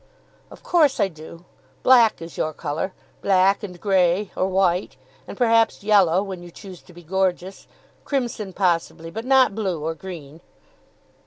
"Of course I do. Black is your colour; black and grey; or white, and perhaps yellow when you choose to be gorgeous; crimson possibly. But not blue or green."